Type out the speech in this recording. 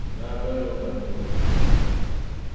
Bɛ daa balim o ka ti o bindira.